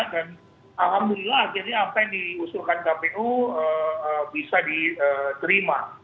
dan alhamdulillah akhirnya apa yang diusulkan kpu bisa diterima